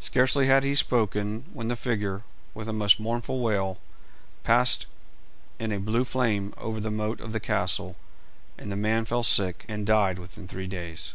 Scarcely had he spoken when the figure, with a most mournful wail, passed in a blue flame over the moat of the castle, and the man fell sick, and died within three days.